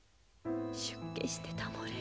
出家してたもれ。